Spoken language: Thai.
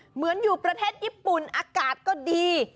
เหมือนอยู่ประเทศญี่ปุ่นอากาศก็ดี